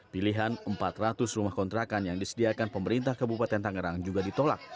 pilihan empat ratus rumah kontrakan yang disediakan pemerintah kabupaten tangerang juga ditolak